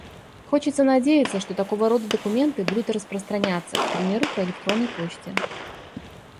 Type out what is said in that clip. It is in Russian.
Хочется надеяться, что такого рода документы будут распространяться, к примеру, по электронной почте.